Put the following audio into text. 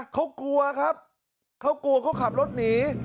เขากลัวครับเขากลัวเขาขับรถหนี